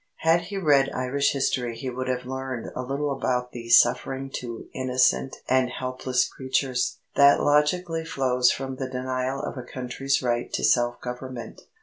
Had he read Irish history he would have learned a little about the "suffering to innocent and helpless creatures" that logically flows from the denial of a country's right to self government.